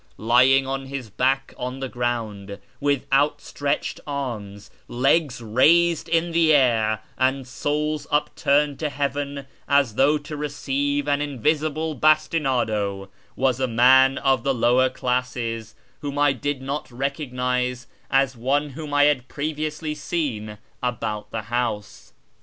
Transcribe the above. Lying on his back on the ground, with outstretched arms, legs raised in the air, and soles upturned to heaven as though to receive an invisible bastinado, was a man of the lower classes whom I did not recognise as one whom I had previously seen about the house.